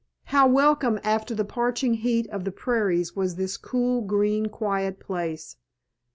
How welcome after the parching heat of the prairies was this cool, green, quiet place!